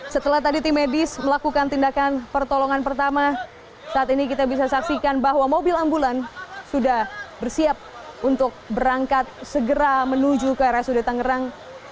setelah tadi tim medis melakukan tindakan pertolongan pertama saat ini kita bisa saksikan bahwa mobil ambulan sudah bersiap untuk berangkat segera menuju ke rsud tangerang